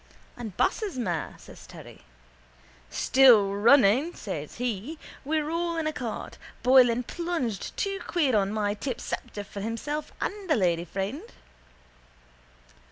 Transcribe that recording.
—And Bass's mare? says Terry. —Still running, says he. We're all in a cart. Boylan plunged two quid on my tip Sceptre for himself and a lady friend.